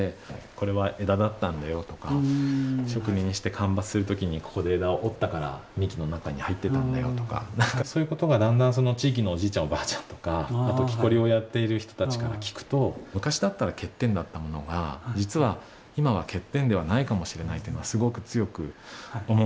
これは枝だったんだよとか植林して間伐する時にここで枝を折ったから幹の中に入ってたんだよとか何かそういうことがだんだん地域のおじいちゃんおばあちゃんとかあときこりをやっている人たちから聞くと昔だったら欠点だったものが実は今は欠点ではないかもしれないっていうのがすごく強く思うんですよね。